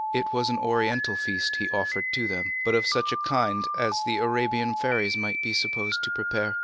It was an Oriental feast that he offered to them, but of such a kind as the Arabian fairies might be supposed to prepare.